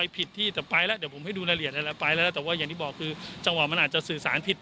เพราะว่าอย่างที่บอกคือจังหวะมันอาจจะสื่อสารผิด